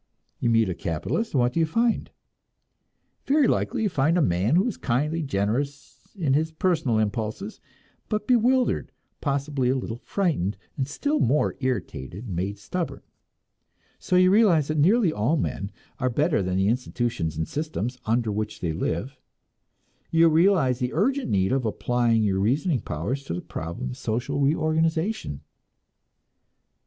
You meet a Capitalist, and what do you find? Very likely you find a man who is kindly, generous in his personal impulses, but bewildered, possibly a little frightened, still more irritated and made stubborn. So you realize that nearly all men are better than the institutions and systems under which they live; you realize the urgent need of applying your reasoning powers to the problem of social reorganization.